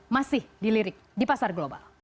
masih dilirik di pasar global